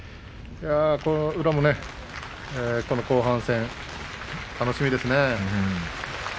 宇良もね後半戦、楽しみですね。